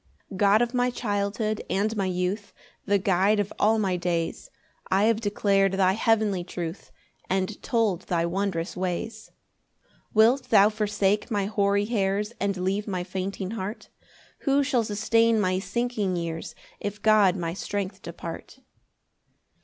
1 God of my childhood and my youth, The guide of all my days, I have declar'd thy heavenly truth, And told thy wondrous ways. 2 Wilt thou forsake my hoary hairs, And leave my fainting heart? Who shall sustain my sinking years If God my strength depart?